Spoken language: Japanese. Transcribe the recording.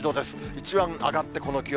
一番上がってこの気温。